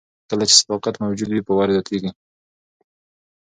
کله چې صداقت موجود وي، باور زیاتېږي.